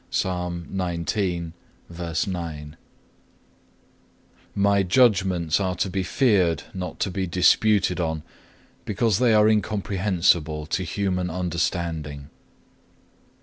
(2) My judgments are to be feared, not to be disputed on, because they are incomprehensible to human understanding.